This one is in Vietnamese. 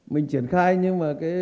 mình triển khai nhưng mà các